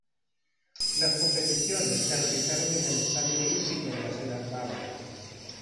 Las competiciones se realizaron en el Estadio Olímpico de la ciudad bávara.